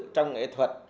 trong nghệ thuật